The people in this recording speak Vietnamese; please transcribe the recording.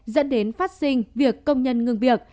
dẫn đến phát sinh việc công nhân ngưng việc